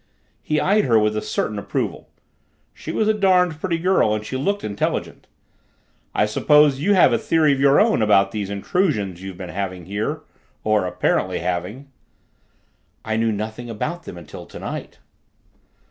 He eyed her with a certain approval. She was a darned pretty girl and she looked intelligent. "I suppose you have a theory of your own about these intrusions you've been having here? Or apparently having." "I knew nothing about them until tonight."